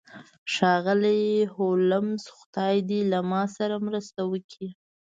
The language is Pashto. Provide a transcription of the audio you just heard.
ښاغلی هولمز خدای دې له ما سره مرسته وکړي